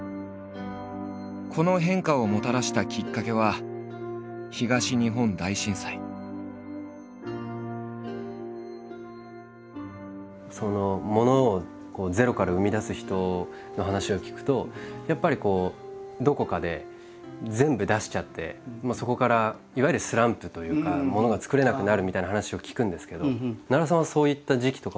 この変化をもたらしたきっかけはものをゼロから生み出す人の話を聞くとやっぱりこうどこかで全部出しちゃってそこからいわゆるスランプというかものが作れなくなるみたいな話を聞くんですけど奈良さんはそういった時期とかはなかったですか？